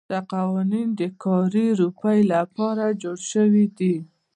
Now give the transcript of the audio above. دا قوانین د کاري رویې لپاره جوړ شوي دي.